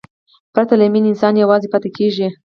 پرته له مینې، انسان یوازې پاتې کېږي.